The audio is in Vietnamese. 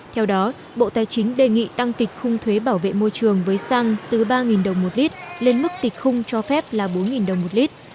theo đó bộ tài chính đề nghị tăng kịch khung thuế bảo vệ môi trường với xăng từ ba đồng một lít lên mức kịch khung cho phép là bốn đồng một lít